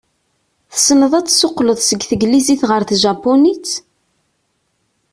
Tessneḍ ad d-tessuqled seg teglizit ɣer tjapunit?